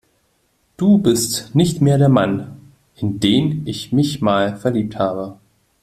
Du bist nicht mehr der Mann, in den ich mich mal verliebt habe.